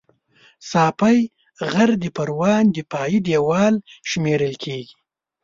ساپی غر د پروان دفاعي دېوال شمېرل کېږي